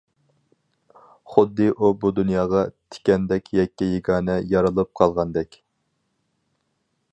خۇددى ئۇ بۇ دۇنياغا تىكەندەك يەككە-يېگانە يارىلىپ قالغاندەك.